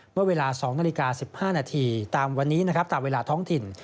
เมื่อเวลา๒นาฬิกา๑๕นาทีตามวันนี้นะครับตามเวลาท้องถิ่น